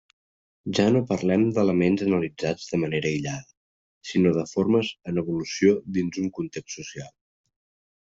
Ja no parlem d'elements analitzats de manera aïllada, sinó de formes en evolució dins un context social.